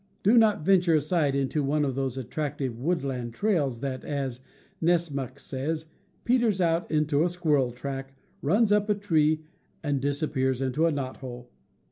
Do not venture aside into one of those GETTING LOST— BIVOUACS 215 attractive woodland trails that, as Nessmuk says, "peters out into a squirrel track, runs up a tree, and disappears into a knot hole."